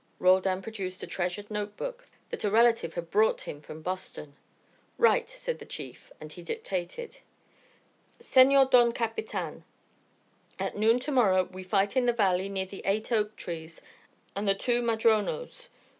Roldan produced a treasured note book that a relative had brought him from Boston. "Write," said the chief; and he dictated: SENOR DON CAPITAN, At noon to morrow we fight in the valley near the eight oak trees and the two madronos.